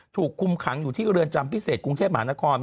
ถูกคุมขังอยู่ที่เรือนจำพิเศษกรุงเทพมหานคร